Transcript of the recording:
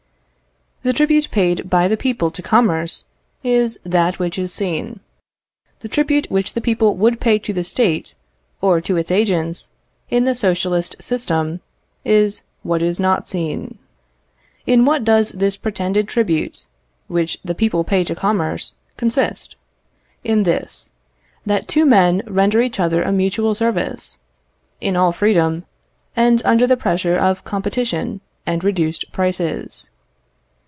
The tribute paid by the people to commerce is that which is seen. The tribute which the people would pay to the State, or to its agents, in the Socialist system, is what is not seen. In what does this pretended tribute, which the people pay to commerce, consist? In this: that two men render each other a mutual service, in all freedom, and under the pressure of competition and reduced prices.